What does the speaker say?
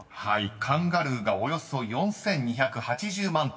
［カンガルーがおよそ４，２８０万頭］